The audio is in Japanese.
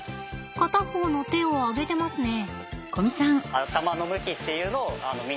片方の手を上げてますね。